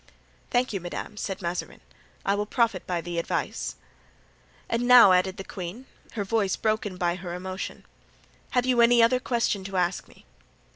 "Thank you, madame," said Mazarin. "I will profit by the advice." "And now," added the queen, her voice broken by her emotion, "have you any other question to ask me?"